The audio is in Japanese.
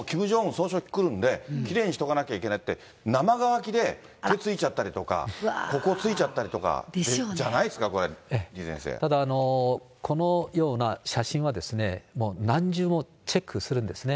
総書記来るんで、きれいにしとかなきゃいけないって、生乾きで手ついちゃったりとか、ここついちゃったりとかじゃないですか、このような写真は、もう何重もチェックするんですね。